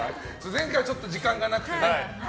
前回はちょっと時間がなくてね。